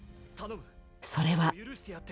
それは。